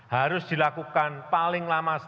harus dilakukan paling lama sejak kemarin